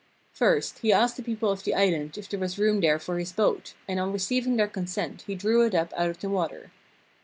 First, he asked the people of the island if there was room there for his boat, and on receiving their consent he drew it up out of the water.